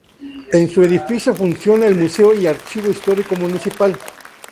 En su edificio funciona el Museo y Archivo Histórico Municipal.